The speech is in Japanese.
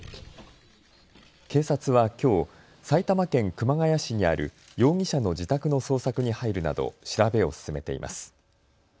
警察はきょう埼玉県熊谷市にある容疑者の自宅の捜索に入るなど調べを進めています。